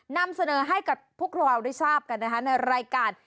นำเสนอให้กับพวกเราได้ทราบกันนะคะในรายการ